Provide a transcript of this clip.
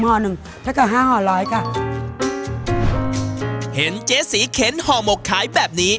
หอนึงแล้วก็ห้าห่อร้อยค่ะเห็นเจ๋สีเข็นหอบขายแบบนี้